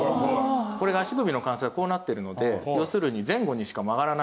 これが足首の関節こうなっているので要するに前後にしか曲がらないんですね。